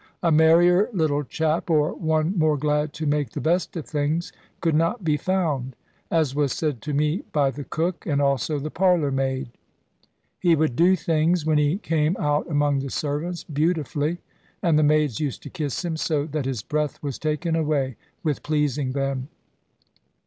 A merrier little chap, or one more glad to make the best of things, could not be found; as was said to me by the cook, and also the parlour maid. He would do things, when he came out among the servants, beautifully; and the maids used to kiss him so that his breath was taken away with pleasing them.